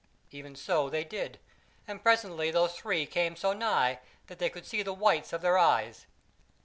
'" Even so they did; and presently those three came so nigh that they could see the whites of their eyes.